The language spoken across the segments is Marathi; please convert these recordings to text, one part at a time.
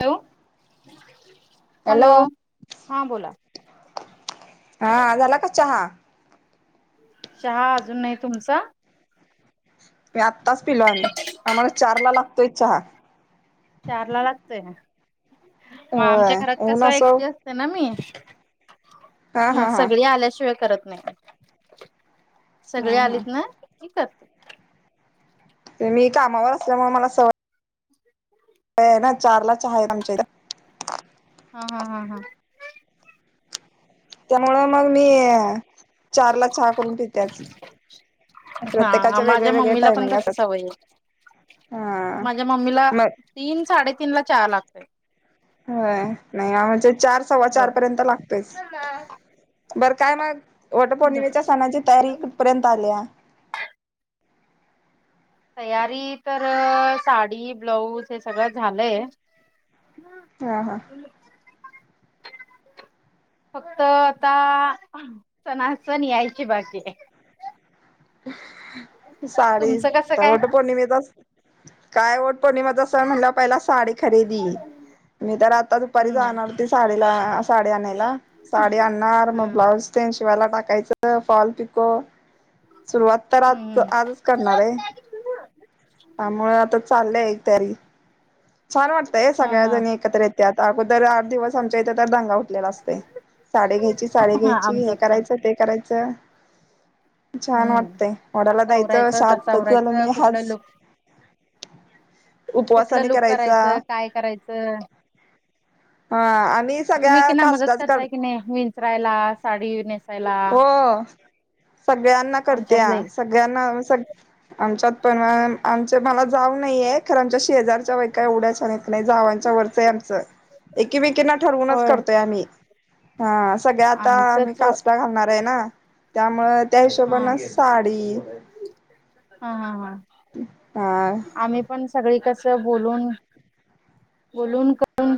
हॅलो हॅलो हां बोला. हा झाला का चहा? चहा अजून नाही, तुमचा? मी आत्ताच पिलो आम्ही, आम्हाला चार ला लागतोय चहा. चारला लागतोय ना, म आमच्या होय घरात ऊन कसं असो एकटी असते ना मी. हा म हा हा सगळी आल्याशिवाय करत नाही, सगळी हा हा आलीत ना, की करतात. माते कामावर असल्यामुळं मला सवय अं येना, चारला चहा ये, आमच्या इथं. हा-हा-हा-हा, त्यामुळं मगं मी चार ला चहा करून पीत्यात. हा, माझ्या मम्मीला पण टायमिंग तसच असतात सवय ये. हा माझ्या मम्मीला मग तीन, साडे-तीन ला चहा लागतोय. होय, नाही आमचे चार, सव्वा-चार होय पर्यंत लागतोयच. बरं काय मग, वट पौर्णिमेच्या सणाची तयारी कुठं पर्यंत आलीया? तयारी तर, अं साडी, ब्लाऊज हे सगळं झालंय. हा-हा. [inaudible] फक्त आता, सणा-सण यायचे बाकी ये. साडी तुमचं कसं त काय वट पौर्णिमेतच, काय वट पौर्णिमातच सण म्हणल्या वर पहिल्या साडी खरेदी, मी तर आता दुपारी हम्म जाणार ती साडीला अस साडी आणायला, साडी आणणार मग हम्म ब्लाऊज तेन शिवायला टाकायचं, फॉल-पिको सुरुवात तर हम्म आज-आजच करणार आहे, त्यामुळे आता चाललंय तयारी छान वाटतं. ते हा सगळ्या हा जणी एकत्र येत्यात, अगोदर आठ दिवस आमच्या इथं तर दंगा घातलेला असतेय. साडी घ्यायची, साडी हा घ्यायची हे आमच्यात पण करायचं, ते करायचं छान हम्म वाटतंय, वडाला असं जायचं, आवरायचं तसं सात आवरायचं जलमी कुठलं हाच लुक कुठलं उपवासाने लुक करायचा करायचं, काय करायचं हा आणि तुम्ही सगळ्या एकमेकींना मदत काष्टाच करणार करताय की नाही विंचरायला, साडी नेसायला? हो सगळ्यांना आमच्यात लई करतीयास्. सगळ्यांना, सग आमच्यात पण, आमच्यात मला जाऊ नाहीे येत. खरं आमच्या शेजारच्या बायका येवड्याशा नेक् नाही जावांच्या वरचंय आमचं. एकमेकिंना ठरवूनच होय करतोय आम्ही. हा सगळ्या आता आम्ही आमचंच काष्टा घालणार आहे ना, त्यामुळं त्या हिशोबानं साडी हा-हा-हा, हा, आम्ही पण सगळी कसं बोलून बोलून करून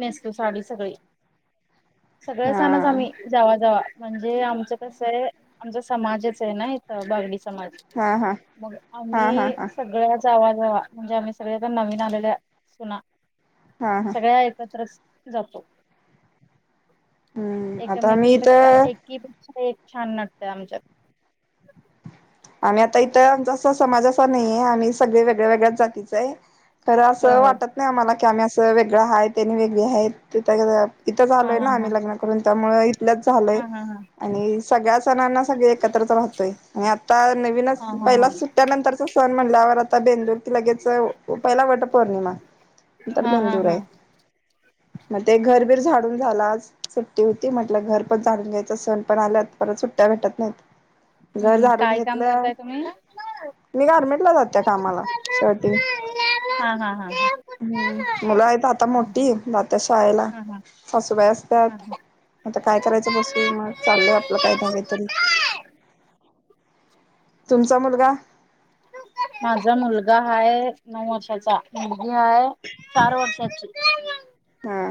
नेसतो साडी सगळी, हा सगळे-सणच आम्ही जावा-जावा म्हणजे आमचं कसंय, आमचा समाजच आहे ना इथं, बरडी समाज हा हा हा मग हा आम्ही हा सगळ्या जावा-जावा म्हणजे आम्ही सगळ्या जण नवीन आलेल्या सुना हा हा सगळ्या एकत्रस् जातो. हम्म आता मी एकामेकी-पेक्षा, इथं एकी-पेक्षा एक छान नटतेयं आमच्यात. आम्ही आता इथं आमचा असा समाज असा नाही आहे, आम्ही सगळे वेगळ्या- वेगळ्याच जातीचं आहे. खरं होय असं होय वाटत नाही आम्हाला, की आम्ही असं वेगळं आहे आणि ती वेगळी आहे ती. इथंच हा आलोय ना हा आम्ही लग्न करून, त्यामुळ इथंल्याच झालोय. हा हा हा आणि सगळ्या सणांना सगळे एकत्रच राहतोय, आणि आता नवीनच हा हा हा पहिला सुट्ट्या-नंतरचा सण म्हणल्यावर आता बेंदुर कि लगेच, पहिला वट पौर्णिमा. नंतर हा हा बेंदूर आहे. [inaudible] म ते घर बीर झाडून झाल आज. सुट्टी होती म्हटलं घर पण झाडून घ्यायचं, सण पण आलत परत सुट्टया भेटत नाहीत. घर हम्म झाडून काय घे काम करताय तुम्ही? मी गारर्मेंट ला जातेय कामाला शर्टिंग. हा हा हा. हम्म मुलं आहेत आता हा मोठी जात्या शाळेला, हा हा सासूबाई असत्यात आता काय करायचं बसून मग, चाललयं आपलं काही ना काहीतरी. तुमचा मुलगा? माझा मुलगा हाय नऊ वर्षाचा मुलगी हाय चार वर्षांची. हा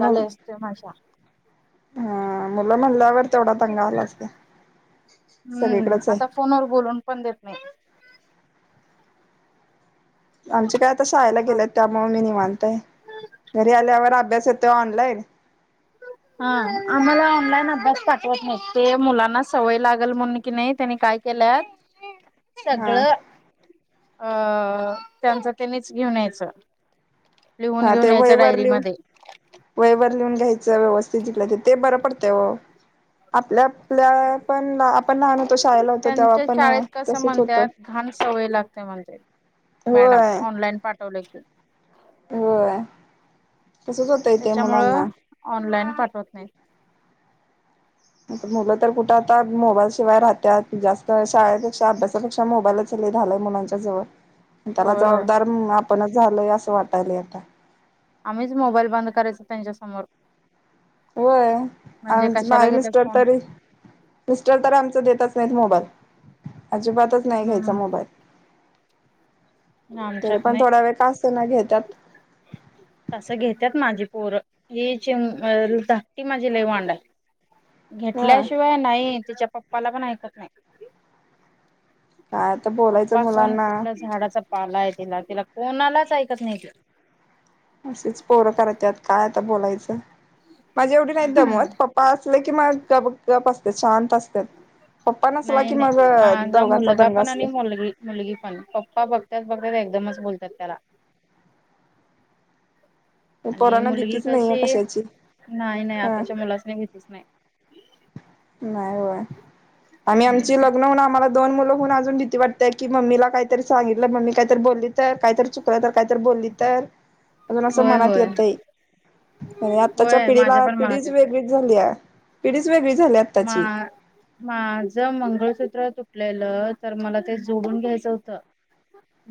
मुल [unintelligible] हा मुलं म्हणल्यावर तेवढा दंगा आलाच ते हम्म सगळीकडचय. आता फोनवर बोलून पण देत नाही. आमचे काय आता शाळेला गेलेयात, त्यामुळ मी निवांत आहे. घरी आल्यावर अभ्यास येतो ऑनलाईन हां आम्हाला ऑनलाईन अभ्यास पाठवत नाही, ते मुलांना सवय लागल म्हणून की नाही त्यांनी काय केल्यात हा सगळं अ त्यांचं त्यांनीच घेऊन यायचं, लिहून हा ते घेऊन यायचं वहीवर लिहून डायरीमध्ये. वहीवर लिहून घ्यायचं व्यवस्थित जिथल्या तिथं ते बरं पडतंय वो. आपल्या आपल्यात त्यांच्या पण शाळेत कसं तसच होतं. म्हणत्यात घाण सवय लागते म्हणते. मॅडम होय ऑनलाईन पाठवले की. होय तसच हो त्याच्यामुळं ऑनलाइन पाठवत नाहीत. आता मुलं तर कुठं आता मोबाईल शिवाय राहत्यात, जास्त शाळेपेक्षा अभ्यासापेक्षा मोबाईलच [unintelligible] झालंय मुलांच्या जवळ त्याला होय होय जबाबदार म आपणच झालय असं वाटायलय आता. आम्हीच मोबाईल बंद करायचो त्यांच्या समोर. होय म्हणजे आमचे कशाला माझे घेतात मिस्टर फोन तरी मिस्टर तर आमचे देतच नाहीत मोबाईल, अजिबातच नाही घ्यायचा हम्म मोबाईल. नाई तरी आमच्यात पण नाही. थोडा वेळ का असेना घेत्यात. तसं घेत्यात माझी पोरं. ही चिम धाकटी माझी लई वांड आय. ह घेतल्याशिवाय नाही तिच्या पप्पाला पण ऐकत नाही. काय आता बोलायचं पप्पा सोण मुलांना कुठल्या झाडाचा पाला हे केला तिला कोणालाच ऐकत नाही. असेच पोरं करत्यात काय आता बोलायचं. माझी एवढी नाही दमत पप्प पा असले कि मग अ गप गप असते शांत असत्यात. पप्पा नसला नाही की नाही माझ्या माझा दोघांचा मुलगा दंगा पण आणि असतोय. मुलगी मुलगी पण पप्पा बघत्यात बघत एकदमच बोलतात त्याला. आणि पोरांना मुलगी भीतीच नाहीये कशी कशाची नाही, नाही ह आताच्या मुलासनी भितीच न्हाई. नाही होय आम्ही आमची लग्न होऊन आम्हाला दोन मुलं होून अजून भीती वाटतेय, की मम्मीला काहीतरी सांगितलं मम्मी काहीतरी बोलली तर काहीतरी चुक कोणाला काहीतर बोलली तर अजून असं होय मनात होय येतंय. आणि आत्ताच्या होय माझ्या पिढीला पण मनात पिढीच येतय वेगळीच झालीया पिढीच वेगळी झाल्यांत. हां. माझ मंगळसूत्र तुटलेलं तर मला ते जोडून घ्यायचं होतं.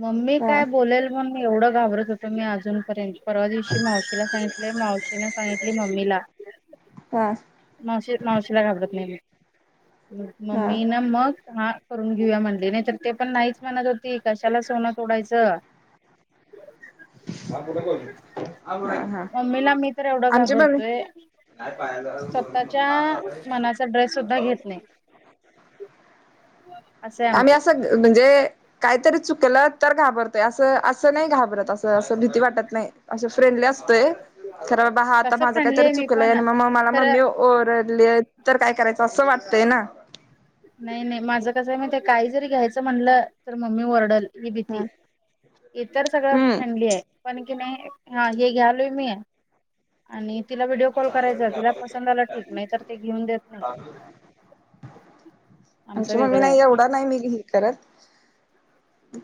मम्मी ह काय बोलेल मगमी एवढं घाबरत होतं मी अजूनपर्यंत परवा दिवशी मावशी ला सांगितले मावशीने सांगितले मम्मीला. हा. मावशी मावशीला घाबरत नाही म ह मम्मी ना मग हा करून घेऊया म्हणली नाही तर ते पण नाहीच म्हणत होती कशाला सोनं तोडायचं. हा हा [inaudible] मम्मीला मी तर एवढं आमची पण घाबरतोय स्वतःच्या मनाचा ड्रेस सुद्धा घेत नाही. [inaudible] असं हाय आमचं आम्ही असं म्हणजे काहीतरी चुकलं तर घाबरतोय असं असं नाही घाबरत अस असं भीती वाटत नाही असं फ्रेंडली असतोय. खरं बा हा तसं माझं काय फ्रेंडली तरी आहे मी चुकलंय पण आणि मग मला खरं मम्मी ओ ओरडलेत तर काय करायचं असं वाटतंय ना. नाही नाही माझं कसं हाय माहित हाय काही जरी घ्यायचं म्हटलं तर मम्मी ओरडल ही भीती इतर सगळं हम्म फ्रेंडली हाय. पण की नाही हा हे घ्यालोय मी आणि तिला व्हिडिओ कॉल करायचं तिला पसंद आलं ठीक नाही तर ती घेऊन देत नाही. [inaudible] आमचं आमची मम्मी वेगळं आहे नाही एवढा नाही मी घील करत.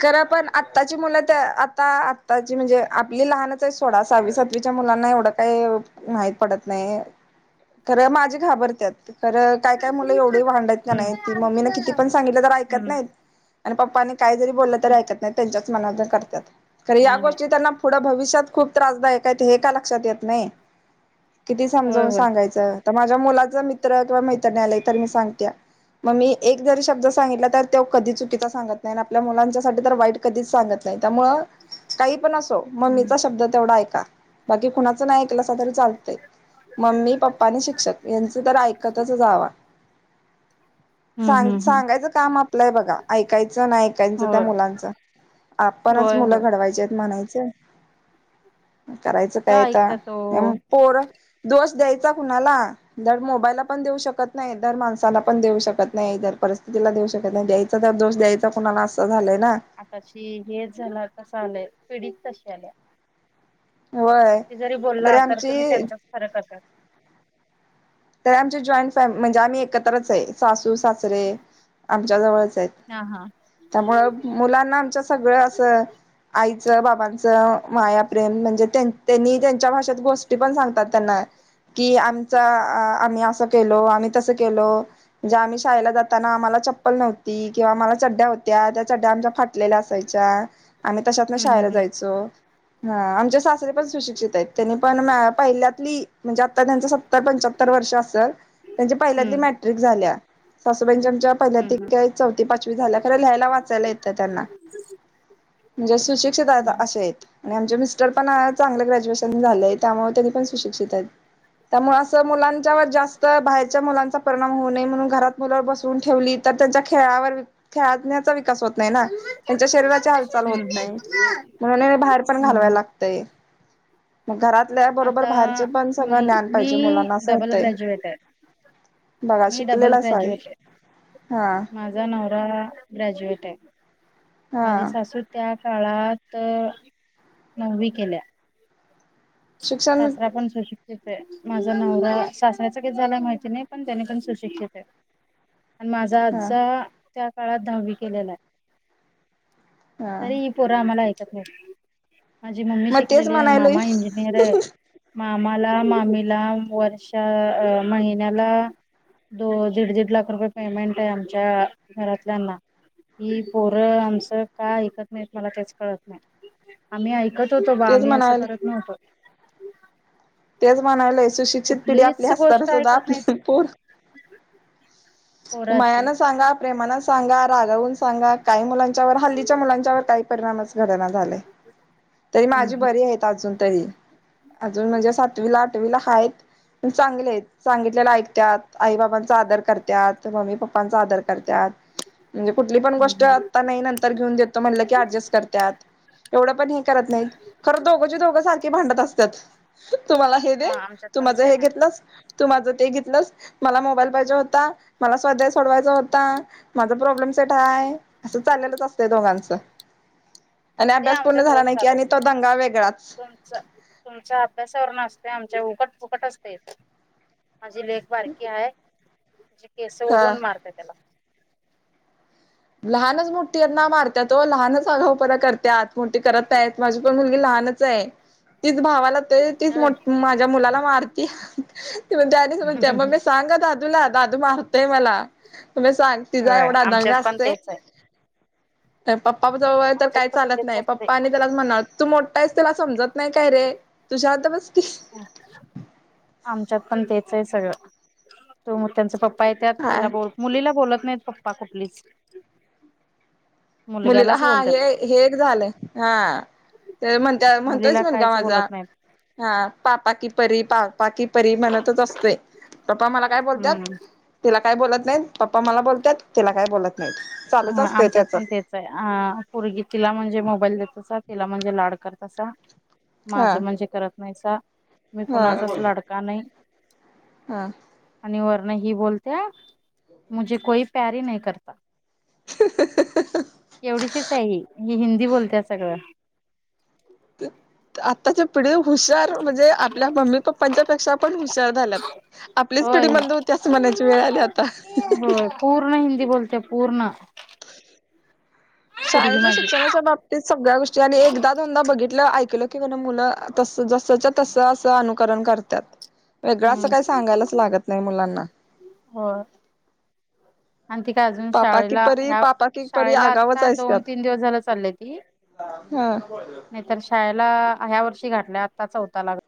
खर पण आत्ताची मुलं त्या आता आत्ताची म्हणजे आपली लहानच सोडा सहावी-सातवीच्या मुलांना एवढं काय माहित पडत नाही. खरं माझी घाबरत्यात. खरं काय-काय मुलं एवढी वांड हायत का हम्म नाही मम्मी ना किती पण सांगितलं तर ऐकत हम्म नाहीत. पप्पानी काही जरी बोललं तरी ऐकत नाही त्यांच्याच मनाचं करत्यात खरं या नाही गोष्टी नाही त्यांना पुढं भविष्यात खूप त्रासदायक आहेत हे का लक्षात येत नाही किती होय समजवून होय सांगायचं च त माझ्या मुलाचा मित्र किंवा मैत्रिणी आलाय तर मी सांगत्या. मग मी एक जर शब्द सांगितला तर त्यो कधी चुकीचा सांगत नाही आपल्या मुलांच्यासाठी तर वाईट कधीच सांगत नाही त्यामुळ काही पण असो हम्म मम्मीचा शब्द तेवढा ऐका बाकी कुणाच नाही ऐकल तरी चालतय. मम्मी, पप्पा आणि शिक्षक यांच तर ऐकतच जावा. [inaudible] हम् सांग-सांगायचं काम आपलंय हाय बघा ऐकायचं पण ऐकायचं त्या होय मुलांच आपणच होय मुलं होय घडवायची आहेत म्हणायचं. करायचं कुठं काय आता ऐकता तो त्यामुळ पोर दोष द्यायचा कुणाला दर मोबाईलला पण देऊ शकत नाही, दर माणसाला पण देऊ शकत नाही, दर परिस्थितीला देऊ शकत नाही दयाच त्यात दोष द्यायचा कुणाला असं झालंय ना. आताशी हेच झाला तसा आलंय पिडीत तशी आल्या होय किती जरी तरी बोलला तर तुम्ही आमची त्यांच्याच खरं करतात. तर आमचे जॉईंट फॅमिली म्हणजे आम्ही एकत्रच आहे सासू, सासरे आमच्या जवळच आहेत. हा हा त्यामुळ मुलांना आमच्या सगळं असं आईचं, बाबांचं माया प्रेम म्हणजे त्यांनी त्यांच्या भाषेत गोष्टी पण सांगतात त्यांना कि आमचा हा आम्ही असं केलो, आम्ही तसं केलो म्हणजे आम्ही शाळेला जाताना आम्हाला चप्पल नव्हती किंवा आम्हाला चड्ड्या हो त्या त्या चड्ड्या आमच्या फाटलेल्या असायच्या आम्ही तशातन शाळेला हम्म जायचो हा आमचे सासरे पण सुशिक्षित आहेत त्यांनी पण पहिल्यातली म्हणजे आता त्यांच तर वर्ष असेल त्यांच्या पहिल्यादी हम्म हम्म मट्रिक झाल्या सासुबाईंच्या आमच्या पहिल्या त हम्म हम्म का चौथी पाचवी झाल्या खरं लिहायला वाचायला येतं त्यांना म्हणजे सुशिक्षित आहेत असे आहेत आणि आमचे मिस्टर पण चांगलं ग्रॅज्युएशन झालंय त्यामुळे त्यांनी पण सुशिक्षित आहेत त्यामुळे असं मुलांच्यावर जास्त बाहेरच्या मुलांचा परिणाम होऊ नये म्हणून घरात मुलं बसवून ठेवली तर त्यांच्या खेळावर हया, आज्ञा चा विकास होत. नाही ना हम्म त्यांच्या शरीराची हालचाल होत हम्म नाही हम्म म्हणून बाहेर पण हम्म घालवायला नाही, मग घरातल्या बरोबर आता बाहेरचे पण सगळं मी ज्ञान पाहिजे मी मुलांना असं. डबल होतय ग्रॅज्युएट आहे बघा मी डबल शिकलेलाच आहे ग्रॅज्युएट हा माझा नवरा ग्रॅजुएट आहे माझी हा सासू त्या काळात नववी केल्या शिक्षण सासरा पण सुशिक्षि आहे माझा नवरा सासऱ्याच किती झालाय माहिती नाही पण त्याने पण सुशिक्षित आहेत आणि माझा हा आजा त्या काळात दहावी केलेला हा आहे पोर आम्हाला ऐकत नाहीत माझी मम्मी मग तेच शिकलेली आहे म्हणायलय मामा इंजिनियर आहे. मामाला मामीला वर्षा अ महिन्याला दो दीड दीड लाख रुपये पेमेंट आहे आमच्या घरातल्यांना. ही पोरं आमचं का ऐकत नाहीत मला तेच कळत नाही आम्ही ऐकत होतो बा तेच आम्ही असं म्हणायला करत नव्हतो. तेच म्हणायला आहे सुशिक्षित पिढी आपली कुठलीच असताना गोष्ट सुध्दा ऐकत नाहीत आपल्या पोरं. पोरं अशी. मायाला, सांगा. प्रेमाना सांगा रागवून सांगा काही मुलांच्यावर हल्लीच्या मुलांच्यावर काही परिणामच घडना झालायं तरी हम्म माझी बरी आहेत अजून तरी अजून म्हणजे सातवीला आठवीला हायत पण चांगले आहेत सांगितलेला ऐकतात आई बाबांचा आदर करत्यात मम्मी पप्पांचा आदर करत्यात. [unintelligible] म्हणजे कुठली पण हम्म गोष्ट हम्म. आता नाही नंतर घेऊन देतो म्हणलं की ऍडजस्ट करत्यात एवढं पण हे करत नाहीत खरं दोघंचे दोघं सारखे भांडत असत्यात. तुम्हाला हे दे हा आमच्यात तु पण माझं सेम हे आहे घेतलंस तु माझं ते घेतलंस. मला मोबाईल पाहिजे होता मला स्वाध्याय सोडवायचा होता. माझा प्रॉब्लेम सेट हाय असं चाललेलच असतंय दोघांचं [unintelligible] आणि अभ्यास पूर्ण आमच्यात झाला रोज नाही की चालू आणि तो असते दंगा वेगळाच तुमच्या अभ्यासावर नाचत्याय आमच्या उकट फुकट असतय माझी लेक बारकी आहे तीची केस हा ओढून मारते त्याला. लहानच मोठ्याना मारतात ओ, लहानच आगापणा करत्यात. मोठी करत आहे माझी पण मुलगी लहानच आहे तीच भावाला ते तेच, माझ्या मुलाला मारती ती म्हणते, हम्म. मम्मी सांगआता. दादू मारतोय मला तुम्ही सांग तिचा होय एवढा दंग आमच्यात असतो. पण तेच आहे. पप्पा जवळ तर आमच्यात काही पण चालत तेच नाही असते पप्पा आणि त्यालाच म्हण तू मोठा आहेस त्याला समजत नाही काय रे तु शांत बस की. आमच्यात पण तेच आहे सगळं तू मग त्यांच पप्पा. त्यात हा तिला बोल मुलीला बोलत नाहीत पप्पा कुठलीच मुलीला मुलग्यालाच हा बोलतात हे हे एक झालंय हा तर म्हणता म्हणतोयच मुलीला मुलगा काहीच माझा बोलत नाहीत. हा पापा की परी पापा की परी म्हणतच असतोय. पप्पा मला काय बोलत्यात? तिला काय बोलत नाहीत. पप्पा मला बोलत्यात. तिला काय बोलत नाहीत. चालूच असतय त्याच. आ पोरगी तिला म्हणजे मोबाईल देतासा. तिला म्हणजे लाड करतासा. हा माझं म्हणजे करत नाहीसा. मी हा कुणाचाच लाडका नाही. [unintelligible] आणि वरन ही बोलते, मुझे कोई प्यारी नही करता. [unintelligible] एवढीशीच आहे ही हिंदी बोलतीया सगळं. ते आत्ताच्या पिढी हुशार म्हणजे, आपल्या मम्मी पप्पांच्या पेक्षा पण हुशार झाल्यात. आपलीच पिढी होय मंद होती, असं म्हणायची वेळ आली आता. होय पूर्ण हिंदी बोलते पूर्ण. पोरगी शाळेच्या माझी शिक्षणाच्या बाबतीत सगळ्या गोष्टी आणि एकदा, दोनदा बघितलं ऐकलं की न मुलं तस जस तसं असं अनुकरण करतात. [inaudible] वेगळं असं काही सांगायलाच लागत नाही मुलांना. होय. आणि ति का अजून पापा की शाळेला परी ह्या पापा की परी शाळेला आगावच आता दोन, तीन दिवस झालं चालल्याती. हं [unintelligible] शाळेला ह्या वर्षी घातलाय. आत्ता चौथा लागल.